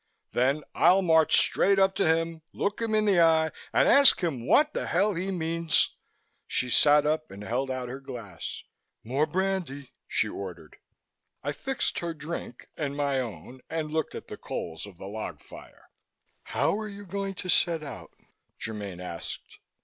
Then I'll march straight up to Him, look Him in the eye and ask Him what the Hell He means " She sat up and held out her glass. "More brandy," she ordered. I fixed her drink and my own and looked at the coals of the log fire. "How are you going to set out?" Germaine asked.